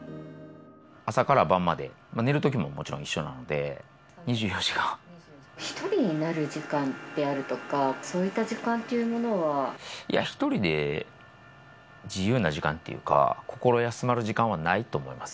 朝から晩まで、寝るときもも１人になる時間ってあるとか、いや、１人で自由な時間っていうか、心休まる時間はないと思います。